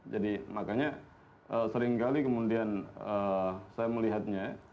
jadi makanya sering kali kemudian saya melihatnya